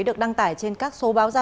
được đăng tải trên các số báo ra